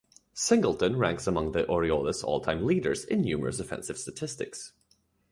Singleton ranks among the Orioles all-time leaders in numerous offensive statistics.